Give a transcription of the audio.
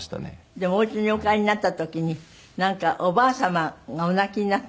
でもお家にお帰りになった時になんかおばあ様がお泣きになった。